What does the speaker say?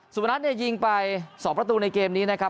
มณัฐเนี่ยยิงไป๒ประตูในเกมนี้นะครับ